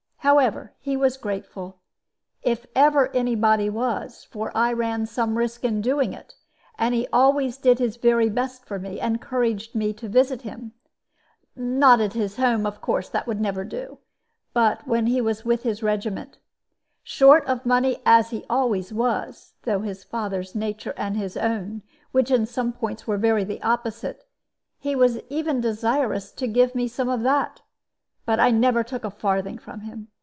"However, he was grateful, if ever any body was, for I ran some risk in doing it; and he always did his very best for me, and encouraged me to visit him. Not at his home of course that would never do but when he was with his regiment. Short of money as he always was, through his father's nature and his own, which in some points were the very opposite, he was even desirous to give me some of that; but I never took a farthing from him.